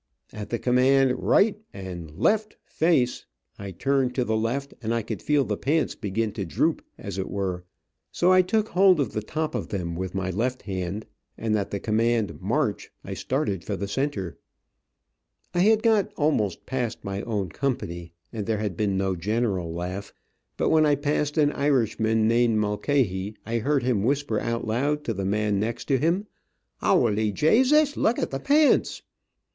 At the command, right and left face, I turned to the left, and I could feel the pants begin to droop, as it were, so I took hold of the top of them with my left hand, and at the command, march, I started for the center. I had got almost past my own company, and there had been no general laugh, but when I passed an Irishman, named Mulcahy, I heard him whisper out loud to the man next to him, "Howly Jasus, luk at the pants."